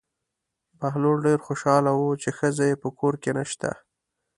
بهلول ډېر خوشحاله و چې ښځه یې په کور کې نشته.